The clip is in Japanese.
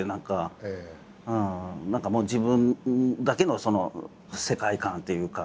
何かもう自分だけの世界観っていうか。